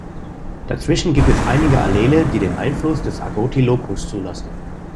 Dazwischen gibt es einige Allele, die den Einfluss des Agouti-Locus zulassen.